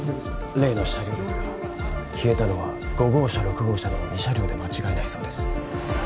例の車両ですが消えたのは５号車６号車の２車両で間違いないそうです